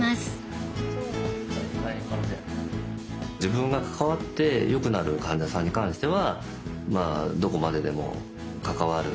自分が関わってよくなる患者さんに関してはどこまででも関わる。